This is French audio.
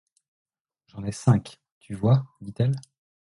J'en ai cinq, tu vois, dit-elle.